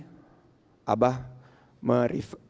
saya yakin juga sedekah putih yang dimaksud oleh kiai ma'ruf amin tadi